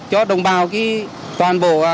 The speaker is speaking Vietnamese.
cho đồng bào cái toàn bộ